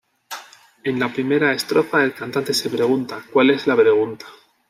En la primera estrofa el cantante se pregunta "cuál es la pregunta".